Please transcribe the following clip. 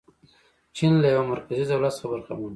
چین له یوه مرکزي دولت څخه برخمن و.